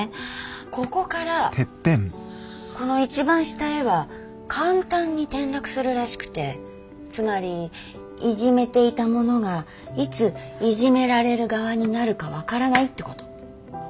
ここからこの一番下へは簡単に転落するらしくてつまりいじめていた者がいついじめられる側になるか分からないってこと。